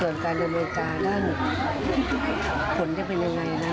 ส่วนการดำเนินการนั้นผลจะเป็นยังไงนะ